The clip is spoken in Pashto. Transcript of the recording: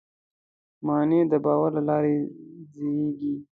معنی د باور له لارې زېږي.